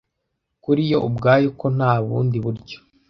Kuri yo ubwayo, ko nta bundi buryo,